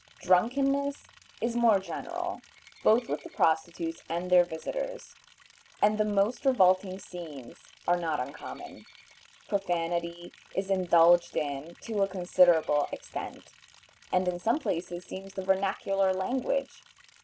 Drunkenness is more general, both with the prostitutes and their visitors, and the most revolting scenes are not uncommon. Profanity is indulged in to a considerable extent, and in some places seems the vernacular language.